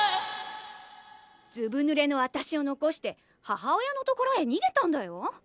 ずぶぬれの私を残して母親の所へにげたんだよ。